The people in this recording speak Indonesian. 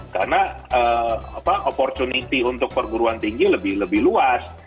karena opportunity untuk perguruan tinggi lebih lebih luas